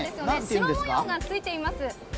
しま模様がついています。